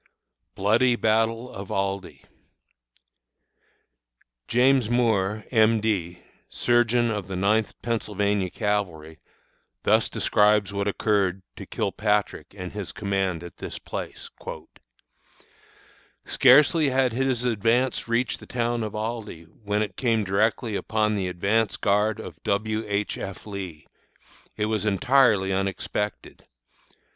BLOODY BATTLE OF ALDIE. James Moore, M. D., Surgeon of the Ninth Pennsylvania Cavalry, thus describes what occurred to Kilpatrick and his command at this place: "Scarcely had his advance reached the town of Aldie, when it came directly upon the advance guard of W. H. F. Lee. It was entirely unexpected.